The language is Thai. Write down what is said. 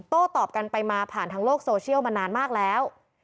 ตอบกันไปมาผ่านทางโลกโซเชียลมานานมากแล้ว